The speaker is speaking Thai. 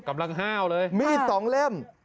กำลังห้าวเลยมีดสองเล่ม